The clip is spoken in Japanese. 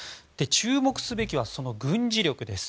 注目すべきはその軍事力です。